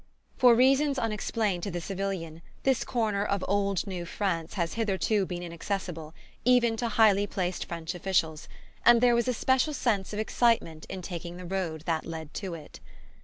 For reasons unexplained to the civilian this corner of old new France has hitherto been inaccessible, even to highly placed French officials; and there was a special sense of excitement in taking the road that led to it.